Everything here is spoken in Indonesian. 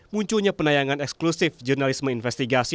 munculnya penayangan eksklusif jurnalisme investigasi